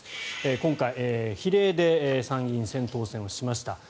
今回、比例で参院選当選しました。